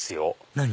何？